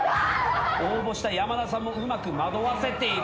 応募した山田さんもうまく惑わせている。